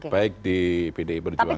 baik di pdi perjuangan atau di pak prabowo